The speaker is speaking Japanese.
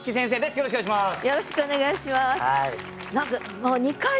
よろしくお願いします。